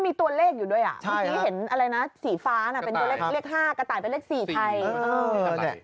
เมื่อกี้เห็นสีฟ้าเป็นตัวเลข๕กระต่ายเป็นเลข๔ไทย